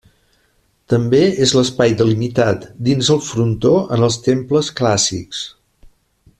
També és l'espai delimitat dins el frontó en els temples clàssics.